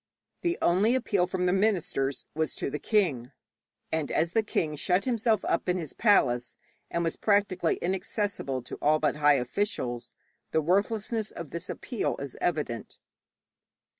The only appeal from the ministers was to the king, and as the king shut himself up in his palace, and was practically inaccessible to all but high officials, the worthlessness of this appeal is evident.